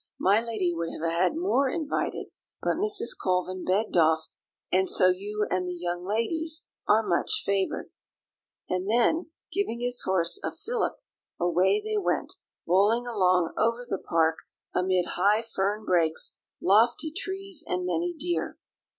My lady would have had more invited, but Mrs. Colvin begged off; and so you and the young ladies are much favoured." And then, giving his horse a fillip, away they went, bowling along over the park amid high fern brakes, lofty trees, and many deer.